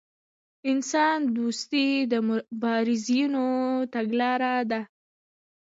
انسان دوستي د مبارزینو تګلاره ده.